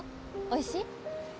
おいしい？